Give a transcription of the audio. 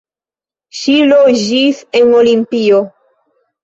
Ŝi loĝis en Olimpio.